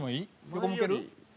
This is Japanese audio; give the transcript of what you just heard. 横向ける？